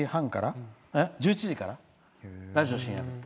１１時から「ラジオ深夜便」。